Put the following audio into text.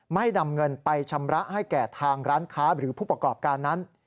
นำเงินไปชำระให้แก่ทางร้านค้าหรือผู้ประกอบการนั้น